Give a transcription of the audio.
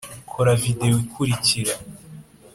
kora videwo ikurikira